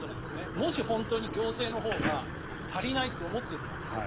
もし、本当に行政のほうが足りないと思ってるんだったら。